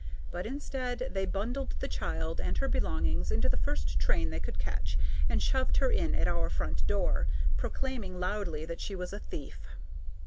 But instead, they bundled the child and her belongings into the first train they could catch, and shoved her in at our front door, proclaiming loudly that she was a thief.